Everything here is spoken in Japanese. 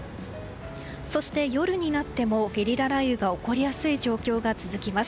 そして、夜になってもゲリラ雷雨が起こりやすい状況が続きます。